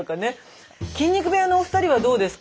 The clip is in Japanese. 筋肉部屋のお二人はどうですか？